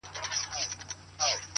دا چا ويله چي باڼه چي په زړه بد لگيږي,